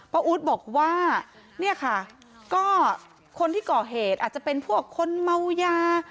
อู๊ดบอกว่าเนี่ยค่ะก็คนที่ก่อเหตุอาจจะเป็นพวกคนเมายา